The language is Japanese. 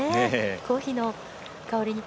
コーヒーの香り。